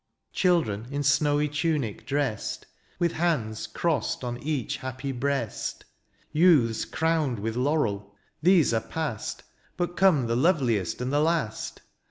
Children in snowy tunic dressed. With hands crossed on each happy breast ; Youths crowned with laurel ; these are past. But come the lovliest and the last.